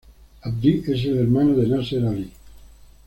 Abdi es el hermano de Nasser Ali.